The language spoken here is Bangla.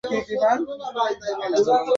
কাল যে গোরা প্রায়শ্চিত্ত করিতে যাইতেছে।